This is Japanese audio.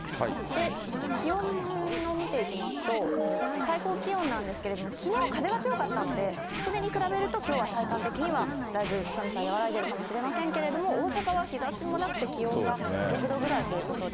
気温を見ていきますと、最高気温なんですけれども、きのう、風が強かったので、それに比べると、きょうは体感的には、だいぶ寒さ和らいでいるかもしれませんけれども、大阪は日ざしもなくて、気温が６度くらいということで。